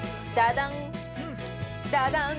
◆ダダン！